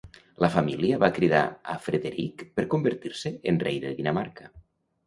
La família va criar a Frederick per convertir-se en rei de Dinamarca.